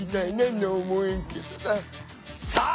さあ